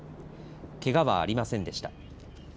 けがはありませんでした。